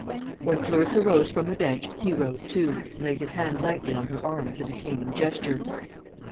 When Clarissa rose from the bench, he rose too, and laid his hand lightly on her arm with a detaining gesture.